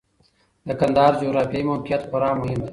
د کندهار جغرافیايي موقعیت خورا مهم دی.